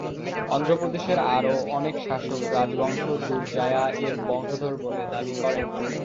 অন্ধ্র প্রদেশের আরও অনেক শাসক রাজবংশ দুরজায়া-এর বংশধর বলে দাবি করেন।